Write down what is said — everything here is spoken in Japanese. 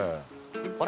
あれ？